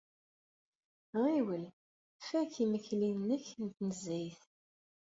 Ɣiwel, fak imekli-nnek n tnezzayt.